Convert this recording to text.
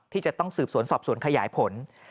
ที่จะต้องสืบสวนสอบสวนขยายผล